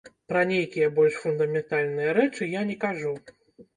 Пра нейкія больш фундаментальныя рэчы я не кажу.